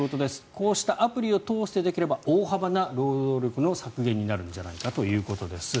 こうしたアプリを通してできれば大幅な労働力の削減になるんじゃないかということです。